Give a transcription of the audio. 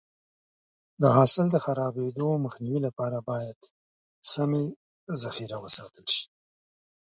د حاصل د خرابېدو مخنیوي لپاره باید سمې ذخیره وساتل شي.